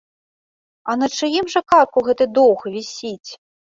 А на чыім жа карку гэты доўг вісіць?